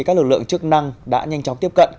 các lực lượng chức năng đã nhanh chóng tiếp cận